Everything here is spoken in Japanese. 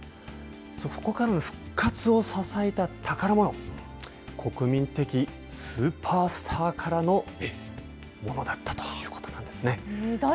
そこからの復活を支えた宝もの、国民的スーパースターからのものだったということなんですね。